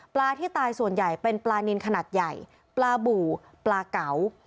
ที่ตายส่วนใหญ่เป็นปลานินขนาดใหญ่ปลาบู่ปลาเก๋า